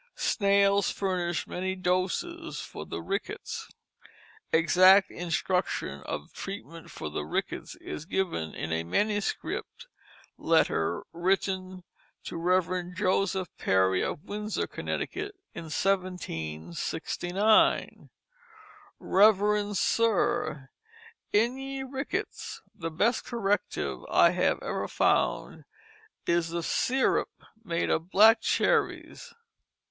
Snails furnished many doses for the rickets. Exact instruction of treatment for the rickets is given in a manuscript letter written to Rev. Joseph Perry of Windsor, Connecticut, in 1769: "REV'D SIR: "In ye Rickets the best Corrective I have ever found is a Syrup made of Black Cherrys.